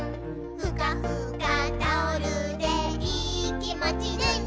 「ふかふかタオルでいーきもちルンルン」